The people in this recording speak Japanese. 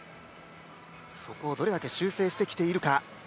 そこをどれだけ修正してきているか。